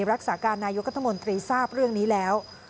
รักษาการนายกรัฐมนตรีทราบเรื่องนี้แล้ว